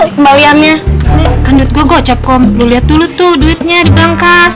kembaliannya kan duit gua gocapkom lu lihat dulu tuh duitnya di perangkas